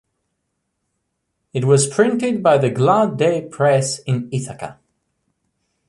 It was printed by the Glad Day Press in Ithaca.